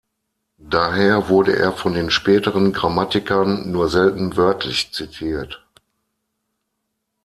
Daher wurde er von den späteren Grammatikern nur selten wörtlich zitiert.